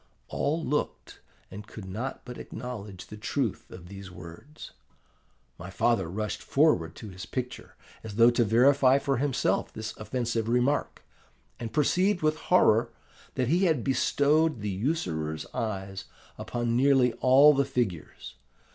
All looked, and could not but acknowledge the truth of these words. My father rushed forward to his picture, as though to verify for himself this offensive remark, and perceived with horror that he had bestowed the usurer's eyes upon nearly all the figures.